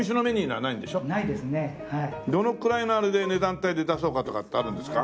どのくらいのあれで値段帯で出そうかとかってあるんですか？